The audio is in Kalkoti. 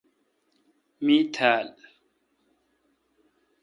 می تھال